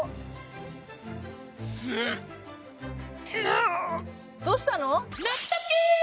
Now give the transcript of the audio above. あどうしたの？